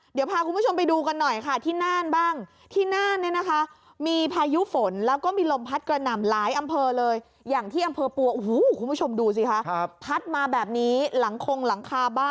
เดี๋ยวพาคุณผู้ชมไปดูกันหน่อยที่หน้าบ้าง